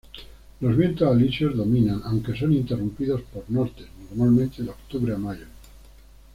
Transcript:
Los vientos alisios dominan, aunque son interrumpidos por "nortes" normalmente de octubre a mayo.